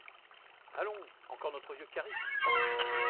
Allons ! encore notre vieux carrick !